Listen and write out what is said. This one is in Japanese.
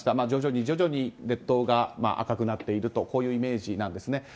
徐々に徐々に列島が赤くなっているとこういうイメージなんですね。